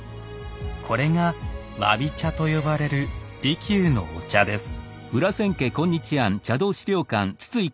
これが「わび茶」と呼ばれる利休のお茶です。